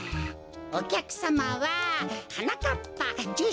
おきゃくさまははなかっぱじゅう